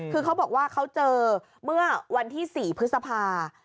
คือเขาบอกว่าเขาเจอเมื่อวันที่๔พฤษภา